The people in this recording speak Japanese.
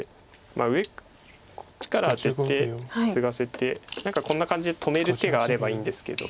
まあこっちからアテてツガせて何かこんな感じで止める手があればいいんですけど。